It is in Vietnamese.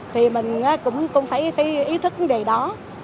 thì mình cũng phải ý thức vấn đề đó